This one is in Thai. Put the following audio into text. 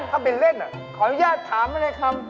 ถ้าเป็นเล่นขออนุญาตถามไว้ในคำ